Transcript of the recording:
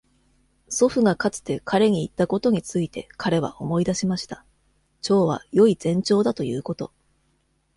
祖父がかつて彼に言ったことについて彼は思い出しました。蝶は良い前兆だということ。